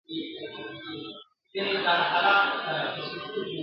هره سجده مي پر تندي ده ستا په نوم !.